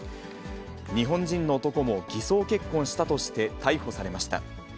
日本人の男も偽装結婚したとして逮捕されました。